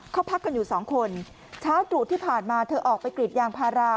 เขาพักกันอยู่สองคนเช้าตรู่ที่ผ่านมาเธอออกไปกรีดยางพารา